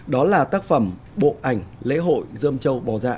đó là tác phẩm bộ ảnh lễ hội dơm châu bò dạ